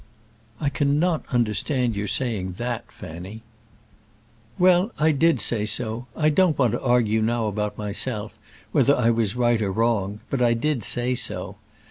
"I cannot understand your saying that, Fanny." "Well; I did say so. I don't want to argue now about myself, whether I was right or wrong, but I did say so.